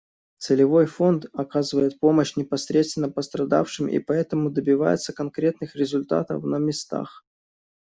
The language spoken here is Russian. Целевой фонд оказывает помощь непосредственно пострадавшим и поэтому добивается конкретных результатов на местах.